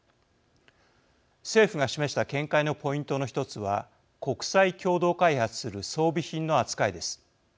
政府が示した見解のポイントの１つは国際共同開発する装備品の扱いです。